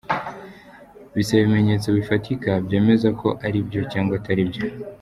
Bisaba ibimenyetso bifatika byemeza ko ari byo cyangwa atari byo.